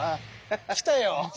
来たよ。